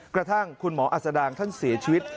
กระทั่งคุณหมออัศดางท่านเสียชีวิต